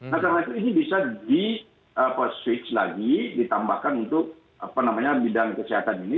nah karena itu ini bisa di switch lagi ditambahkan untuk bidang kesehatan ini